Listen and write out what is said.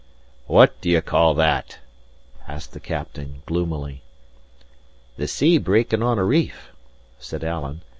"What do ye call that?" asked the captain, gloomily. "The sea breaking on a reef," said Alan.